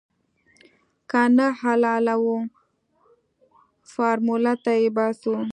که نه حلالوو يې فارموله تې باسو.